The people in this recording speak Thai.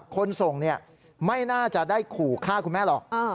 คนส่งไม่น่าจะได้ขู่ฆ่าคุณแม่หรอก